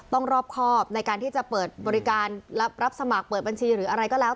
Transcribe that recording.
รอบครอบในการที่จะเปิดบริการรับสมัครเปิดบัญชีหรืออะไรก็แล้ว